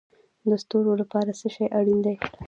د ستورو لپاره څه شی اړین دی؟